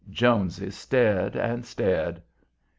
Jonesy stared and stared.